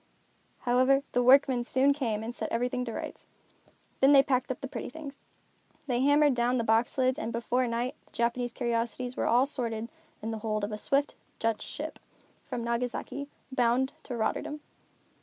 However, the workmen soon came and set everything to rights. Then they packed up the pretty things. They hammered down the box lids and before night the Japanese curiosities were all stored in the hold of a swift, Dutch ship, from Nagasaki, bound for Rotterdam.